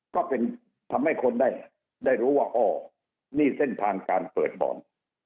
ก็เป็นทำให้คนได้รู้ว่าอ๋อนี่เส้นทางการเปิดบ่อน